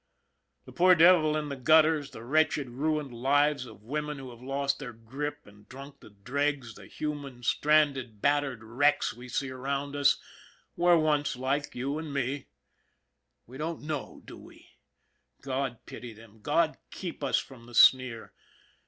The poor devil in the gutters, the wretched, ruined lives of women who have lost their grip and drunk the dregs, the human, stranded, battered wrecks we see around us, were once like you and me. We don't know, do we? God pity them! God keep us from the sneer!